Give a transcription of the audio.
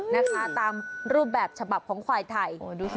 นะคะตามรูปแบบฉบับของควายไทย